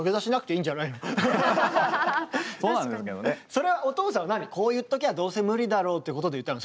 それはお父さんは何こう言っときゃどうせ無理だろうってことで言ったの？